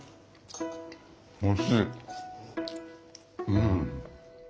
うん。